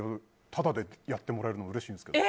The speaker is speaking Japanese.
タダでやってもらえるのうれしいんですけど。